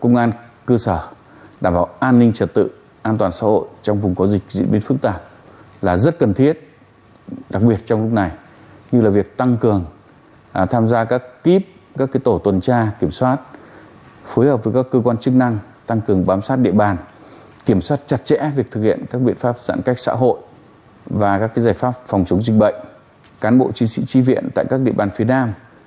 giải pháp phòng chống dịch bệnh cán bộ chiến sĩ tri viện tại các địa bàn phía nam